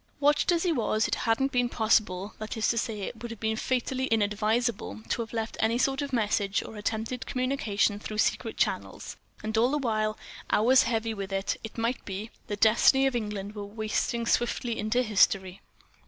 Watched as he was, it hadn't been possible, that is to say it would have been fatally ill advised, to have left any sort of message or to have attempted communication through secret channels; and all the while, hours heavy with, it might be, the destiny of England were wasting swiftly into history.